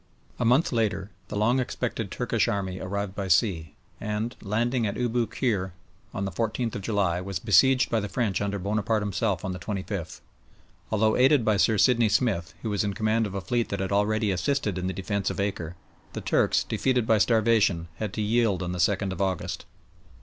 A month later the long expected Turkish army arrived by sea, and, landing at Abou Kir on the 14th of July, was besieged by the French under Bonaparte himself on the 25th. Although aided by Sir Sidney Smith, who was in command of a fleet that had already assisted in the defence of Acre, the Turks, defeated by starvation, had to yield on the 2nd of August.